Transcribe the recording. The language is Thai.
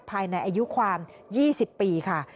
ภายในอายุความ๒๐ปีค่ะ